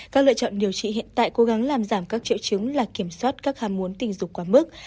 các lựa chọn điều trị hiện tại cố gắng làm giảm các triệu chứng là kiểm soát các hàm muốn tình dục quá mức